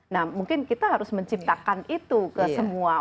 nah mungkin kita harus menciptakan itu ke semua orang